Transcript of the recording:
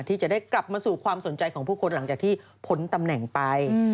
ที่จะได้กลับมาสู่ความสนใจของผู้คนหลังจากที่พ้นตำแหน่งไป